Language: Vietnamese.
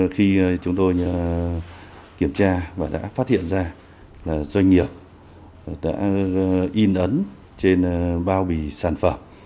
khi chúng tôi kiểm tra và đã phát hiện ra là doanh nghiệp đã in ấn trên bao bì sản phẩm